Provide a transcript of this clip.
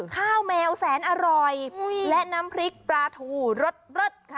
แมวแสนอร่อยและน้ำพริกปลาทูรสค่ะ